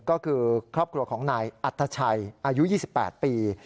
ก็คือครอบครัวของนายอัตชัยอายุ๒๘ปี